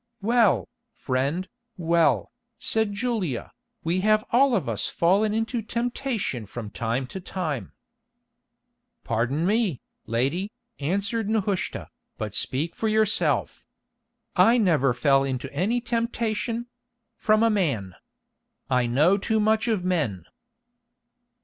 "Well, friend, well," said Julia, "we have all of us fallen into temptation from time to time." "Pardon me, lady," answered Nehushta, "but speak for yourself. I never fell into any temptation—from a man. I know too much of men."